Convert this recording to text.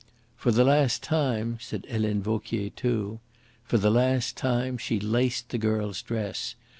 "For the last time," said Helene Vauquier too. For the last time she laced the girl's dress.